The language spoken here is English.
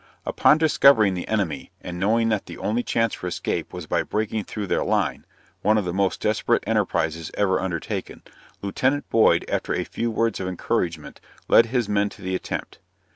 Upon discovering the enemy, and knowing that the only chance for escape was by breaking through their line, (one of the most desperate enterprizes ever undertaken,) Lieut. Boyd, after a few words of encouragement, led his men to the attempt.